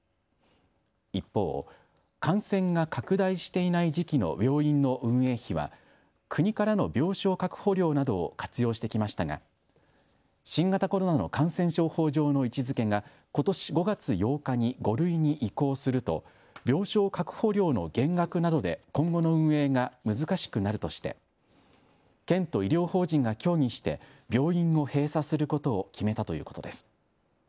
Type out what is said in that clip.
一方、感染が拡大していない時期の病院の運営費は国からの病床確保料などを活用してきましたが新型コロナの感染症法上の位置づけがことし５月８日に５類に移行すると病床確保料の減額などで今後の運営が難しくなるとして県と医療法人が協議して病院を閉鎖することを決めたということです。